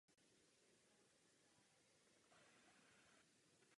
Po přednáškách v řadě zemí podepsal smlouvu s americkou filmovou společností Paramount.